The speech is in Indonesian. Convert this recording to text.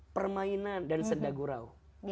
permainan dan senda gurau